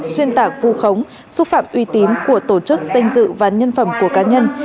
xuyên tạc vu khống xúc phạm uy tín của tổ chức danh dự và nhân phẩm của cá nhân